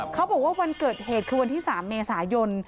บอกว่าวันเกิดเหตุคือวันที่๓เมษายน